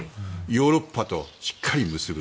ヨーロッパとしっかり結ぶ。